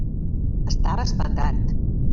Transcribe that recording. Estava espantat.